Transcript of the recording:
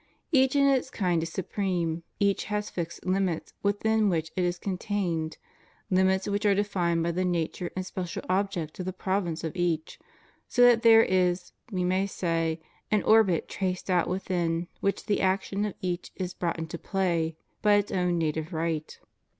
Each in its kind is supreme, each has fixed limits within which it is contained, limits which are defined by the nature and special object of the prov ince of each, so that there is, we may say, an orbit traced out within which the action of each is brought into play by its own native right.